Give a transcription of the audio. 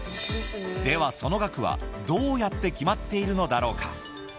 では、その額はどうやって決まっているのだろうか。